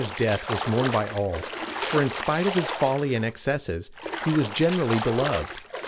] Alexander's death was mourned by all, for, in spite of his folly and excesses, he was generally beloved.